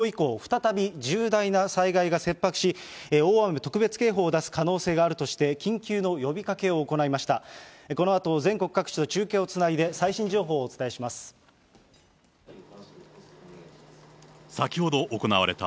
先ほど気象庁は会見を行いまして、きょう以降、再び重大な災害が切迫し、大雨特別警報を出す可能性があるとして、緊急の呼びかけを行いました。